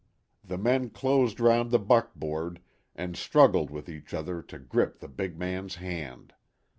The men closed round the buckboard, and struggled with each other to grip the big man's hand.